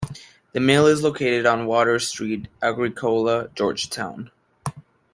The mill is located on Water Street, Agricola, Georgetown.